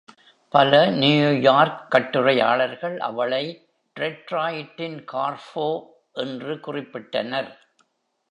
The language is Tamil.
பல நியூயார்க் கட்டுரையாளர்கள் அவளை "டெட்ராய்டின் கார்போ" என்று குறிப்பிட்டனர்.